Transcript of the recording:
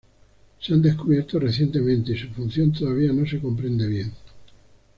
Se han descubierto recientemente y su función todavía no se comprende bien.